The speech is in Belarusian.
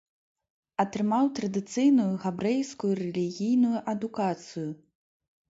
Атрымаў традыцыйную габрэйскую рэлігійную адукацыю.